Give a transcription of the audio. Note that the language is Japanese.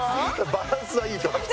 バランスはいいと思う。